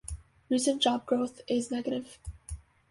Recent job growth is Negative.